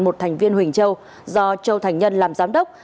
một thành viên huỳnh châu do châu thành nhân làm giám đốc